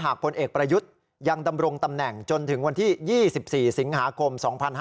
พลเอกประยุทธ์ยังดำรงตำแหน่งจนถึงวันที่๒๔สิงหาคม๒๕๕๙